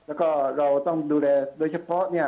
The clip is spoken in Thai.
แล้วก็เราต้องดูแลโดยเฉพาะเนี่ย